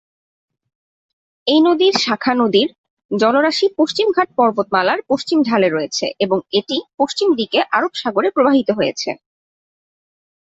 এই নদীর শাখা নদীর জলরাশি পশ্চিমঘাট পর্বতমালার পশ্চিম ঢালে রয়েছে, এবং এটি পশ্চিম দিকে আরব সাগরে প্রবাহিত হয়েছে।